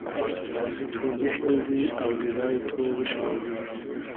تو بیخیندی اۆدیدای تو اوش مونوم